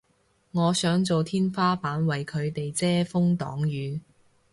我想做天花板為佢哋遮風擋雨